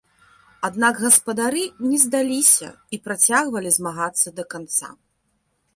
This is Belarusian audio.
Аднак гаспадары не здаліся і працягвалі змагацца да канца.